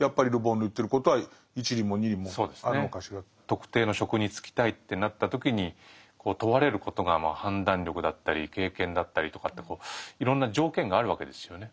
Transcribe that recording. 特定の職に就きたいってなった時に問われることが判断力だったり経験だったりとかっていろんな条件があるわけですよね。